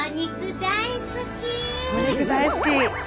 お肉大好き。